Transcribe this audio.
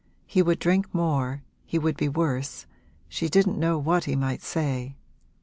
He would drink more he would be worse she didn't know what he might say.